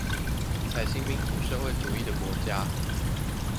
採行民主社會主義的國家